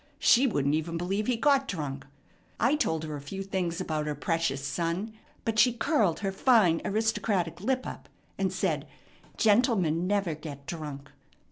She wouldn't even believe he got drunk. I told her a few things about her precious son, but she curled her fine, aristocratic lip up, and said, 'Gentlemen never get drunk.'